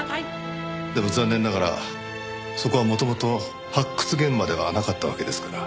でも残念ながらそこは元々発掘現場ではなかったわけですから。